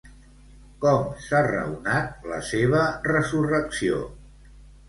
Com s'ha raonat la seva resurrecció?